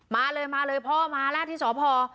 มาเลยมาเลยพ่อมาแล้วที่สพ